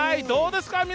どうですか？